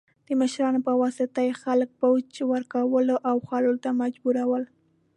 د مشرانو په واسطه یې خلک باج ورکولو او خوړو ته مجبورول.